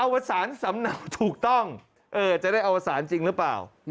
วสารสำเนาถูกต้องจะได้อวสารจริงหรือเปล่า